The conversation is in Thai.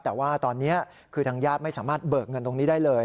แต่ว่าตอนนี้คือทางญาติไม่สามารถเบิกเงินตรงนี้ได้เลย